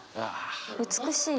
美しい。